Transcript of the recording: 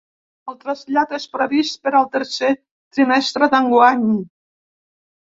El trasllat és previst per al tercer trimestre d’enguany.